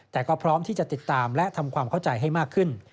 แต่ก็พร้อมที่จะติดตามและทำความเข้าใจให้มากขึ้น